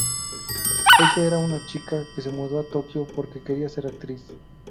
Ella era una chica que se mudó a Tokio porque quería ser actriz.